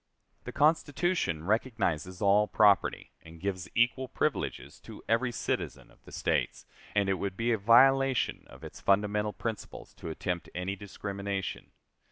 The Constitution recognizes all property, and gives equal privileges to every citizen of the States; and it would be a violation of its fundamental principles to attempt any discrimination.